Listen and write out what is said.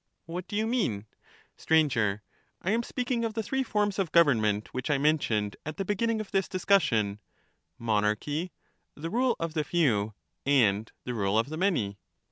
What do you mean ? Str, I am speaking of the three forms of government, which I mentioned at the beginning of this discussion — monarchy, the rule of the few, and the rule of the many.